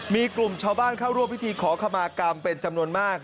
มีกลุ่มชาวบ้านเข้าร่วมพิธีขอขมากรรมเป็นจำนวนมาก